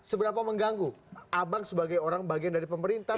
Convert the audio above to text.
seberapa mengganggu abang sebagai orang bagian dari pemerintah